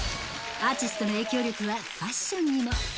アーティストの影響力は、ファッションにも。